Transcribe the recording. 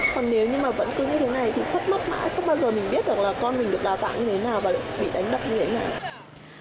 còn nếu như mà vẫn cứ như thế này thì cất mất mãi không bao giờ mình biết được là con mình được đào tạo như thế nào và bị đánh đập như thế nào